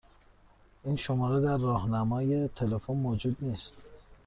این شماره در راهنمای تلفن موجود نیست.